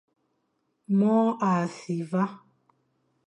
Môr a si va,